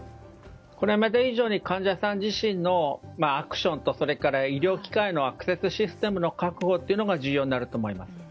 今以上に患者さん自身のアクションと、医療機関へのアクセスシステムの確保が重要になると思います。